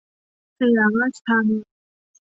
สยามราชธานี